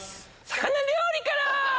魚料理から！